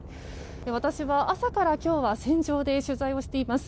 私は、朝から今日は船上で取材をしています。